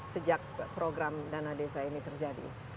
sejak program dana desa ini terjadi